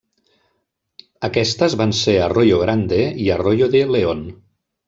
Aquestes van ser Arroyo Grande i Arroyo de León.